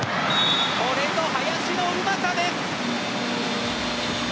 これぞ林のうまさです！